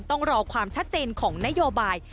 ต้องรอความชัดเจนของนโยบาย